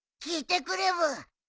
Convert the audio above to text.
聞いてくれブー。